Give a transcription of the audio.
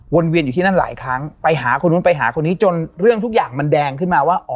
เวียนอยู่ที่นั่นหลายครั้งไปหาคนนู้นไปหาคนนี้จนเรื่องทุกอย่างมันแดงขึ้นมาว่า